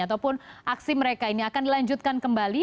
ataupun aksi mereka ini akan dilanjutkan kembali